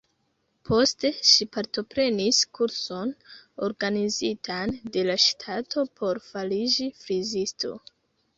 Poste ŝi partoprenis kurson organizitan de la ŝtato por fariĝi frizisto.